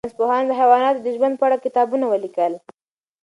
ساینس پوهانو د حیواناتو د ژوند په اړه کتابونه ولیکل.